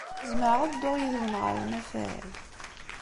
Zemreɣ ad dduɣ yid-wen ɣer unafag?